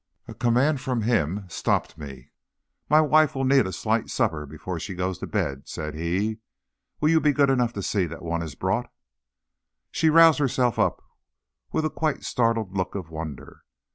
A command from him stopped me. "My wife will need a slight supper before she goes to bed," said he. "Will you be good enough to see that one is brought?" She roused herself up with quite a startled look of wonder.